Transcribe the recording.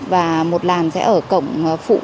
và một làn sẽ ở cổng phụ